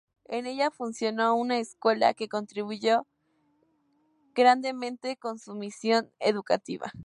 En ella funcionó una escuela que contribuyó grandemente con su misión educativa.